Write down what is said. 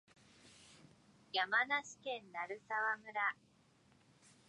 山梨県鳴沢村